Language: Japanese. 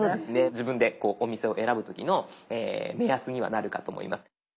自分でお店を選ぶ時の目安にはなるかと思います。